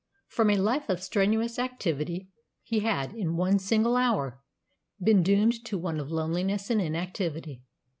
From a life of strenuous activity he had, in one single hour, been doomed to one of loneliness and inactivity.